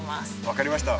分かりました。